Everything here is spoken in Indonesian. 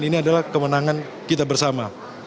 ini adalah kemenangan kita bersama